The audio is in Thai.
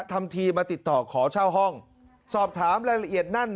ทำทีมาติดต่อขอเช่าห้องสอบถามรายละเอียดนั่น